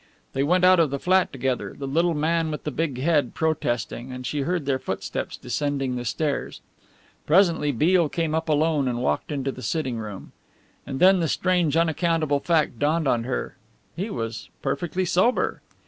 They went out of the flat together, the little man with the big head protesting, and she heard their footsteps descending the stairs. Presently Beale came up alone and walked into the sitting room. And then the strange unaccountable fact dawned on her he was perfectly sober.